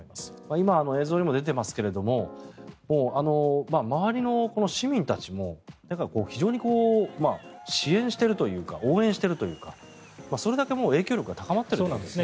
今、映像にも出ていますが周りの市民たちも非常に支援しているというか応援してるというかそれだけ影響力が高まっているんですね。